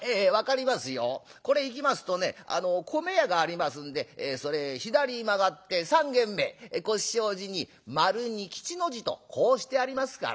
これ行きますとね米屋がありますんでそれ左に曲がって３軒目腰障子に丸に吉の字とこうしてありますからすぐに分かりますよ」。